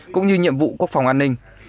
cũng như nhiệm vụ quốc phòng an ninh